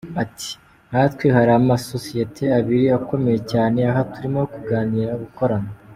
Ati « Nkatwe hari ama sosiyete abiri akomeye cyane aha turimo kuganira gukorana.